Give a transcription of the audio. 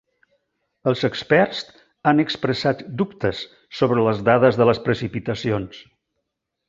Els experts han expressat dubtes sobre les dades de les precipitacions.